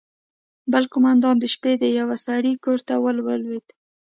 بل قومندان د شپې د يوه سړي کور ته ورولوېد.